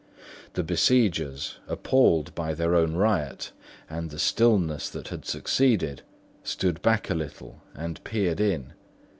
The besiegers, appalled by their own riot and the stillness that had succeeded, stood back a little and peered in.